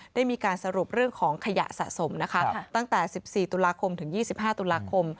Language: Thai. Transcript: ได้มีการสรุปเรื่องของขยะสะสมนะคะตั้งแต่๑๔ตุลาคมถึง๒๕ตุลาคม